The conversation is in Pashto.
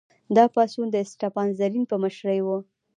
دا پاڅون د اسټپان رزین په مشرۍ و.